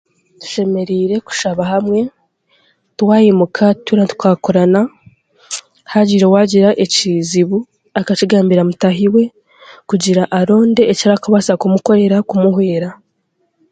Tushemereire kushaba hamwe twaimuka tura tikaakurana, haagira owaagira ekizibu, akakigambira mutaahi we kugira ngu aronde eki arikubaasa kumukorera, kumuhwera.